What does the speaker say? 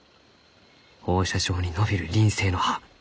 放射状に伸びる輪生の葉